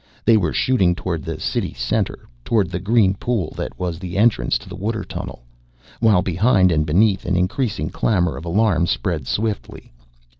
They were shooting toward the city's center, toward the green pool that was the entrance to the water tunnel, while behind and beneath an increasing clamor of alarm spread swiftly.